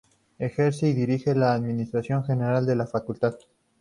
Ejerce y dirige la administración general de la facultad.